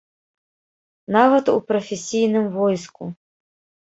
Нават у прафесійным войску.